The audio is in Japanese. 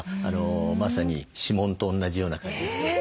まさに指紋とおんなじような感じですね。